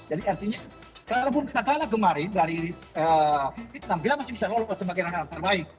jadi artinya kalaupun kita kalah kemarin dari vietnam kita masih bisa lolos sebagai orang terbaik